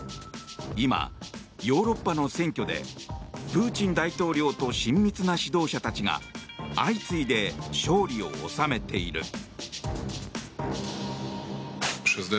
今、ヨーロッパの選挙でプーチン大統領と親密な指導者たちが相次いで、勝利を収めている。